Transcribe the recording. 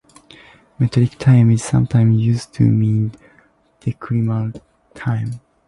Metric time is sometimes used to mean decimal time.